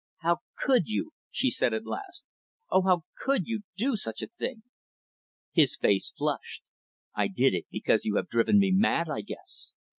"How could you?" she said at last. "Oh, how could you do such a thing?" His face flushed. "I did it because you have driven me mad, I guess.